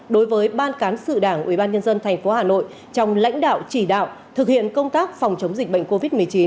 đối với ban cán sự đảng ủy ban nhân dân tp hà nội trong lãnh đạo chỉ đạo thực hiện công tác phòng chống dịch bệnh covid một mươi chín